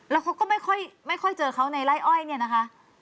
แล้วเขาก็ไม่ค่อยไม่ค่อยเจอเขาในไร้อ้อยเนี้ยนะคะ